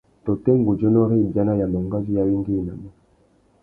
Tôtê ngudzénô râ ibiana ya mangazú i awéngüéwinamú?